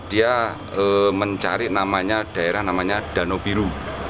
dia mencari namanya daerah namanya danau biru